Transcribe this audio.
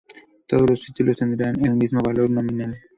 Todos los títulos tendrán el mismo valor nominal.